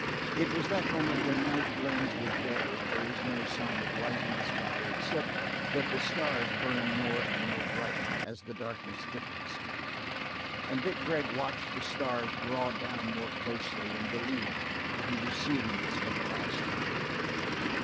It was that moment when night blends with day and there is no sign of light in the sky except that the stars burn more and more bright as the darkness thickens, and Vic Gregg watched the stars draw down more closely and believed that he was seeing this for the last time.